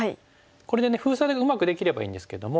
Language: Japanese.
これで封鎖がうまくできればいいんですけども。